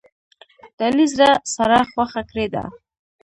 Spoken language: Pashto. د علي زړه ساره خوښه کړې ده.